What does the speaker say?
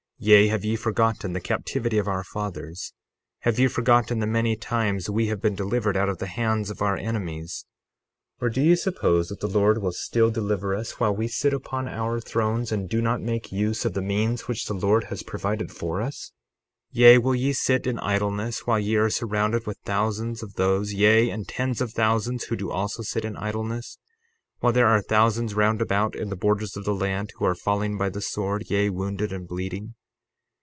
Yea, have ye forgotten the captivity of our fathers? Have ye forgotten the many times we have been delivered out of the hands of our enemies? 60:21 Or do ye suppose that the Lord will still deliver us, while we sit upon our thrones and do not make use of the means which the Lord has provided for us? 60:22 Yea, will ye sit in idleness while ye are surrounded with thousands of those, yea, and tens of thousands, who do also sit in idleness, while there are thousands round about in the borders of the land who are falling by the sword, yea, wounded and bleeding?